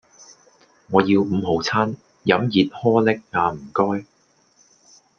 我要五號餐,飲熱可力呀唔該